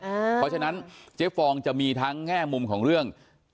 เพราะฉะนั้นเจ๊ฟองจะมีทั้งแง่มุมของเรื่อง